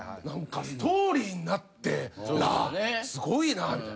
何かストーリーになってすごいなみたいな。